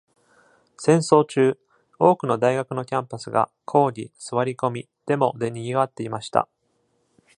戦争中、多くの大学のキャンパスが抗議、座り込み、デモで賑わっていました。